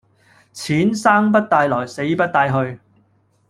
錢生不帶來死不帶去